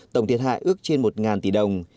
tổng thiệt hại ước trên một tỷ đồng